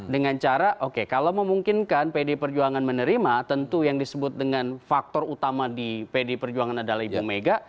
dengan cara oke kalau memungkinkan pdi perjuangan menerima tentu yang disebut dengan faktor utama di pd perjuangan adalah ibu mega